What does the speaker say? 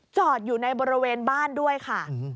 จอดอยู่ในบริเวณบ้านด้วยค่ะ